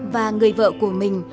và người vợ của mình